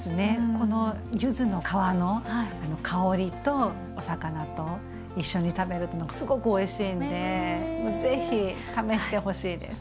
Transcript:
この柚子の皮の香りとお魚と一緒に食べるとすごくおいしいんでぜひ試してほしいです。